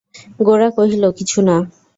গোরা কহিল, কিছু না।